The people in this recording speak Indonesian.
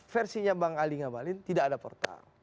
versinya bang ali ngabalin tidak ada portal